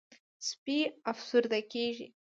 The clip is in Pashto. سپي افسرده کېږي.